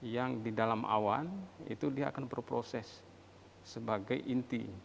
yang di dalam awan itu dia akan berproses sebagai inti